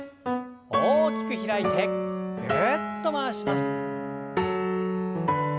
大きく開いてぐるっと回します。